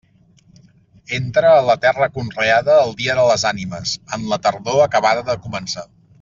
Entra a la terra conreada el dia de les Ànimes, en la tardor acabada de començar.